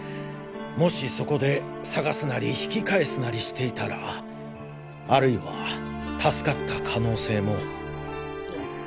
もしそこで探すなり引き返すなりしていたらあるいは助かった可能性も。